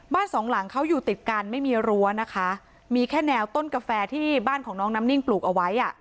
สองหลังเขาอยู่ติดกันไม่มีรั้วนะคะมีแค่แนวต้นกาแฟที่บ้านของน้องน้ำนิ่งปลูกเอาไว้อ่ะ